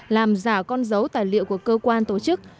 làm giả con dấu tài liệu của cơ quan tổ chức